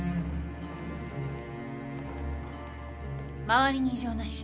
周りに異常なし。